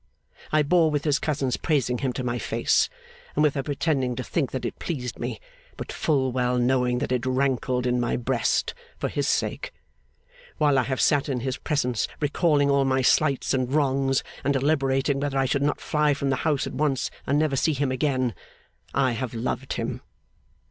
I bore with his cousin's praising him to my face, and with her pretending to think that it pleased me, but full well knowing that it rankled in my breast; for his sake. While I have sat in his presence recalling all my slights and wrongs, and deliberating whether I should not fly from the house at once and never see him again I have loved him.